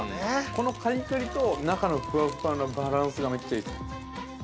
このカリカリと中のふわふわのバランスがめっちゃいいです。